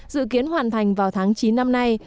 dự kiến hoàn thành vào tháng chín năm nay